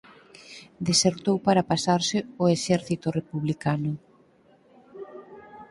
Desertou para pasarse ao exército republicano.